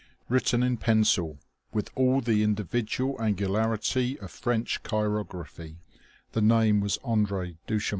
Written in pencil, with all the individual angularity of French chirography, the name was André Duchemin.